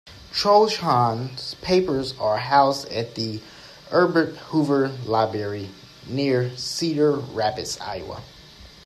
Trohan's papers are housed at the Herbert Hoover Library, near Cedar Rapids, Iowa.